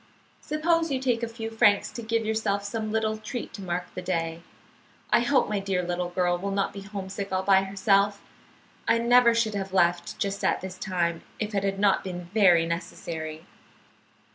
Suppose you take a few francs to give yourself some little treat to mark the day. I hope my dear little girl will not be homesick all by herself. I never should have left just at this time if it had not been very necessary."